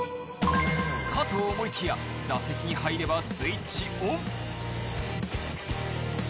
かと思いきや打席に入ればスイッチオン。